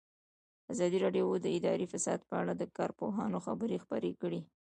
ازادي راډیو د اداري فساد په اړه د کارپوهانو خبرې خپرې کړي.